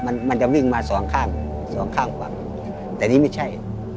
มันมันจะวิ่งมาสองข้างสองข้างฝั่งแต่นี่ไม่ใช่